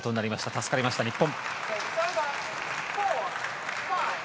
助かりました、日本。